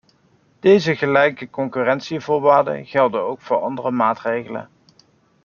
Deze gelijke concurrentievoorwaarden gelden ook voor andere maatregelen.